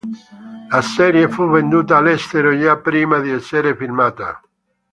La serie fu venduta all'estero già prima di essere filmata.